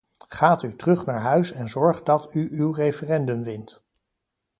Gaat u terug naar huis en zorg dat u uw referendum wint.